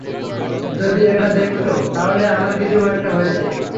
যদি এটা দেখছ, তাহলে আমার কিছু একটা হয়েছে।